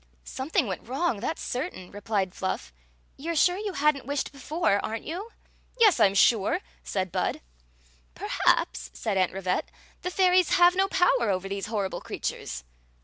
" Something went wrong, that 's certain," replied Fluff. "You Ve sure you had n't wished before, are nt your "Yes, I *m sure," said Bud. " Perhaps," said Aunt Rivette, " the fairies have no power over these horrible creatures."